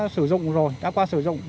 một số bao thuốc đã qua sử dụng